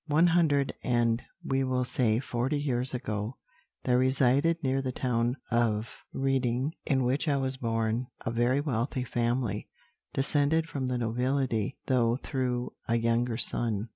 "One hundred and, we will say, forty years ago, there resided near the town of Reading, in which I was born, a very wealthy family, descended from the nobility, though through a younger son.